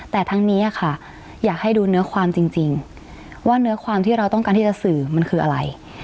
แต่ทั้งนี้ค่ะอยากให้ดูเนื้อความจริงว่าเนื้อความที่เราต้องการที่จะสื่อมันคืออะไร